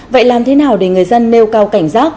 vậy làm thế nào để người dân nêu cao cảnh giác